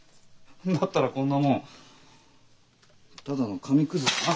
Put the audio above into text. だったらこんなもんただの紙クズだな。